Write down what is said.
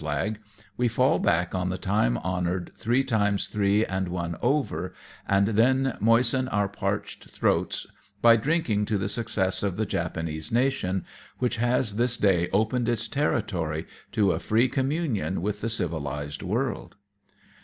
flagj we fall back oa the time honoured three times three and one over, and then moisten our parched throats by drinking to the success of the Japanese nation, which has this day opened its territory to a free communion with the civilized world.